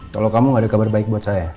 kalau kamu gak ada kabar baik buat saya